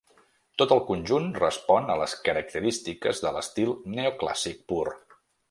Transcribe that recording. Tot el conjunt respon a les característiques de l'estil neoclàssic pur.